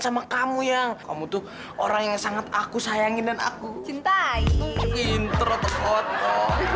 sama kamu yang kamu tuh orang yang sangat aku sayangin dan aku cintai intro intro